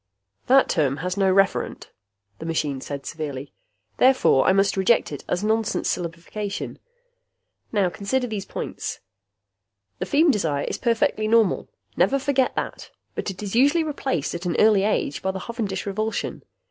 "That term has no referent," the machine said severely. "Therefore I must reject it as nonsense syllabification. Now consider these points: The feem desire is perfectly normal. Never forget that. But it is usually replaced at an early age by the hovendish revulsion.